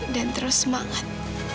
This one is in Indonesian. dan terus semangat